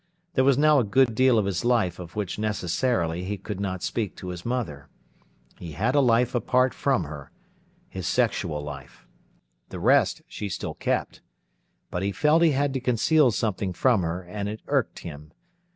There was now a good deal of his life of which necessarily he could not speak to his mother. He had a life apart from her—his sexual life. The rest she still kept. But he felt he had to conceal something from her, and it irked him.